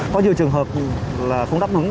có nhiều trường hợp là không đáp ứng